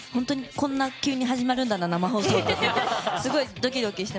こんな急に始まるんだなって生放送って。